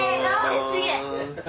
えすげえ。